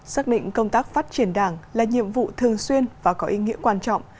xác định công tác phát triển đảng là nhiệm vụ thường xuyên và có ý nghĩa quan trọng